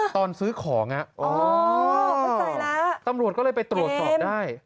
ตอนซื้อของอ่ะตำรวจก็เลยไปตรวจสอบได้